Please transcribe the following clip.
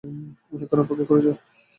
অনেক্ষণ অপেক্ষা করেছ?